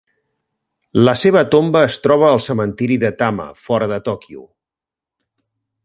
La seva tomba es troba al cementiri de Tama, fora de Tòquio.